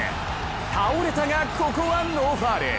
倒れたが、ここはノーファウル。